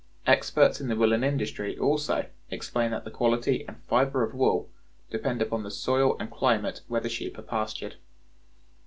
Experts in the woolen industry, also, explain that the quality and fiber of wool depend upon the soil and climate where the sheep are pastured.